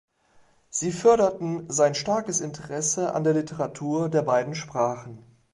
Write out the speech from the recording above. Sie förderten sein starkes Interesse an der Literatur der beiden Sprachen.